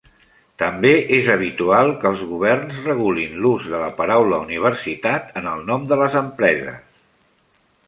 També és habitual que els governs regulin l'ús de la paraula "universitat" en el nom de les empreses.